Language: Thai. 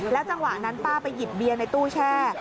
จังหวะนั้นป้าไปหยิบเบียร์ในตู้แช่